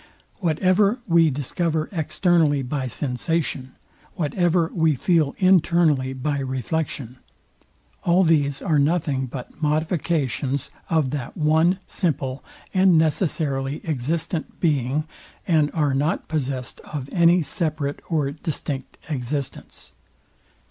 Whatever we discover externally by sensation; whatever we feel internally by reflection; all these are nothing but modifications of that one, simple, and necessarily existent being, and are not possest of any separate or distinct existence.